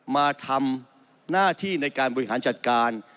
มาทำหน้าที่ในการบริหารจัดการ